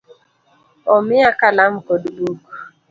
Omiya Kalam kod buk